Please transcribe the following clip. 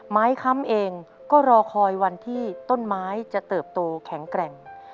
ค้ำเองก็รอคอยวันที่ต้นไม้จะเติบโตแข็งแกร่ง